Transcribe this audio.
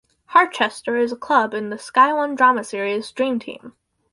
Harchester is a club in the Sky One drama series, Dream Team.